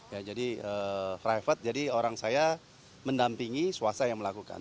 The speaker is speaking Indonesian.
ya jadi private jadi orang saya mendampingi swasta yang melakukan